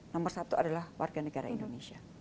nomor satu adalah warga negara indonesia